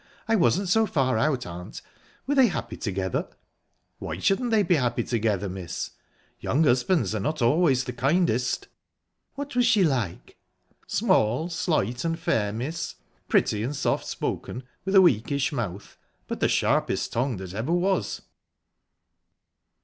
I wasn't so far out, aunt ...Were they happy together?" "Why shouldn't they be happy together, miss? Young husbands are not always the kindest." "What was she like?" "Small, slight, and fair, miss; pretty and soft spoken, with a weakish mouth, but the sharpest tongue that ever was."